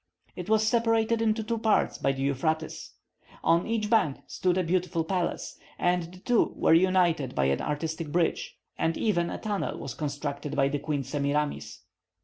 It was separated into two parts by the Euphrates. On each bank stood a beautiful palace, and the two were united by an artistic bridge, and even a tunnel was constructed by the Queen Semiramis.